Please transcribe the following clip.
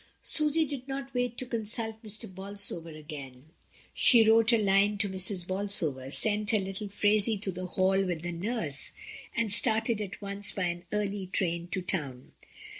Susy did not wait to consult Mr. Bolsover again; she wrote a line to Mrs. Bolsover, sent her little Phraisie to the Hall with the nurse, and started at once by an early train to town.